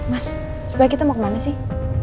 mas supaya kita mau kemana sih